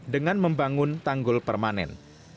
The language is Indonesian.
dengan membangun tanggul permanen